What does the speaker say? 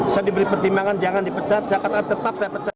saya diberi pertimbangan jangan dipecat saya katakan tetap saya pecat